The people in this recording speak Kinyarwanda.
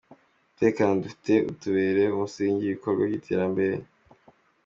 Umutekano dufite utubere umusingi w’ibikorwa by’iterambere.